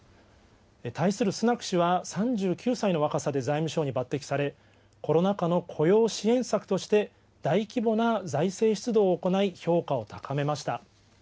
対するスナク氏は３９歳の若さで財務相に抜てきされ、コロナ禍の雇用支援策として大規模な財政出動を行い、評価を高めました。